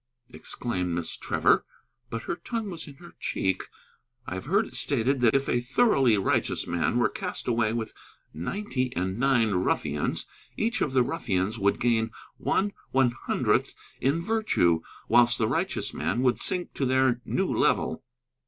exclaimed Miss Trevor. But her tongue was in her cheek. I have heard it stated that if a thoroughly righteous man were cast away with ninety and nine ruffians, each of the ruffians would gain one one hundredth in virtue, whilst the righteous man would sink to their new level.